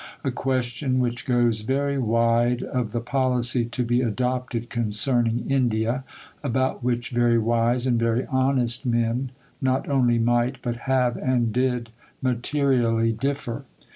A question which goes ver^ wide of the policy to be adopted concerning India ^ about which very wise and very honest men, not only might, but have, and did materially differ.